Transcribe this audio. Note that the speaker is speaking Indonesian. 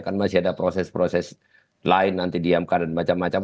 kan masih ada proses proses lain nanti di mk dan macam macam